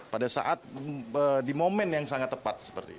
pada saat di momen yang sangat tepat seperti ini